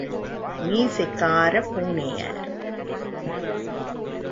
மீசைக் காரப் பூனையார்.